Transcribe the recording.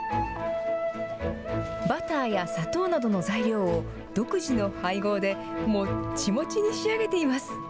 バターや砂糖などの材料を独自の配合でもっちもちに仕上げています。